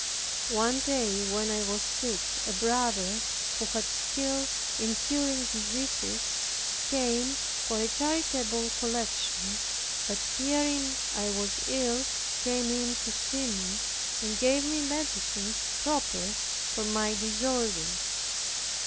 One day when I was sick, a brother who had skill in curing diseases, came for a charitable collection, but hearing I was ill, came in to see me, and gave me medicines proper for my disorder.